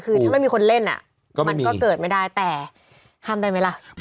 คือถ้าไม่มีคนเล่นมันก็เกิดไม่ได้แต่ห้ามได้ไหมล่ะ